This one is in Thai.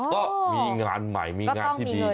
ก็มีงานใหม่มีงานที่ดี